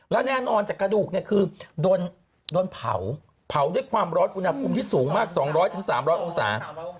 และแน่นอนจากกระดูกเนี่ยคือโดนเผาเผาด้วยความร้อนอุณหภูมิที่สูงมาก๒๐๐๓๐๐องศา